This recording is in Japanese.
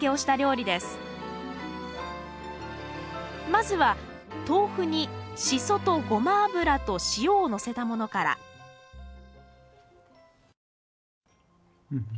まずは豆腐にシソとゴマ油と塩をのせたものからうんうん。